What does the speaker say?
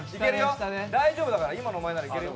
大丈夫、今のお前ならいけるよ。